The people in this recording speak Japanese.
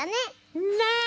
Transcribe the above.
ねえ！